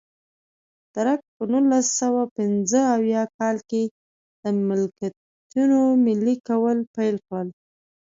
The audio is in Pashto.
درګ په نولس سوه پنځه اویا کال کې د ملکیتونو ملي کول پیل کړل.